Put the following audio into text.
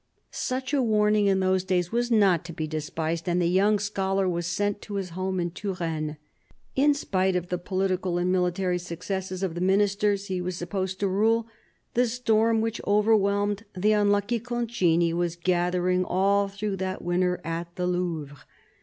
Such a warning, in those days, was not to be despised, and the young scholar was sent to his home in Touraine. In spite of the political and military successes of the Ministers he was supposed to rule, the storm which over whelmed the unlucky Concini was gathering all through that winter at the Louvre.